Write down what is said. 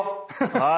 はい。